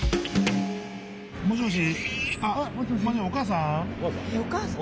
もしもし。